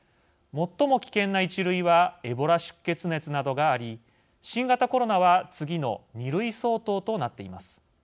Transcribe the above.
最も危険な１類はエボラ出血熱などがあり新型コロナは次の２類相当となっています。